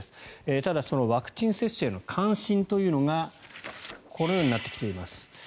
ただ、そのワクチン接種への関心というのがこのようになってきています。